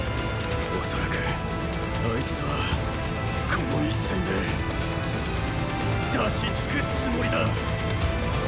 おそらくあいつはこの一戦で出し尽くすつもりだ！